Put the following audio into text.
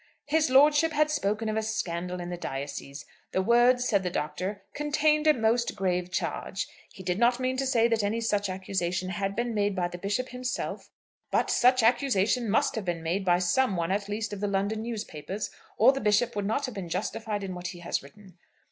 "His lordship had spoken of 'scandal in the diocese.' The words," said the Doctor, "contained a most grave charge. He did not mean to say that any such accusation had been made by the Bishop himself; but such accusation must have been made by some one at least of the London newspapers or the Bishop would not have been justified in what he has written.